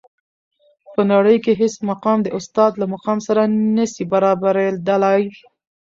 په نړۍ کي هیڅ مقام د استاد له مقام سره نسي برابري دلای.